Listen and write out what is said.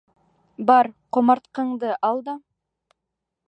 Бар, ҡомартҡыңды ал да...